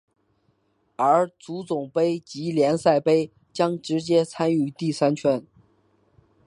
而足总杯及联赛杯将直接参与第三圈。